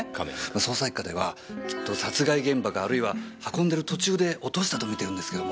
捜査一課ではきっと殺害現場かあるいは運んでる途中で落としたとみてるんですけども。